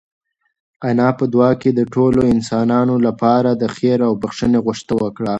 انا په دعا کې د ټولو انسانانو لپاره د خیر او بښنې غوښتنه وکړه.